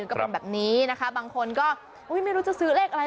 ก็เป็นแบบนี้นะคะบางคนก็ไม่รู้จะซื้อเลขอะไร